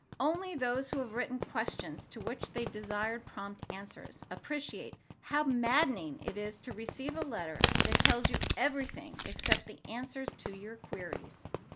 Only those who have written questions to which they desired prompt answers, appreciate how maddening it is to receive a letter that tells you everything except the answers to your queries.